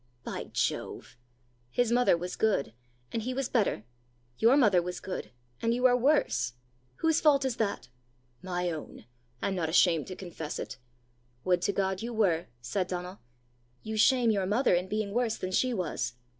"By Jove!" "His mother was good, and he was better: your mother was good, and you are worse! Whose fault is that?" "My own; I'm not ashamed to confess it!" "Would to God you were!" said Donal: "you shame your mother in being worse than she was.